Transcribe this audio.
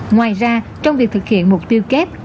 ngoài ra trong việc thực hiện mục tiêu kép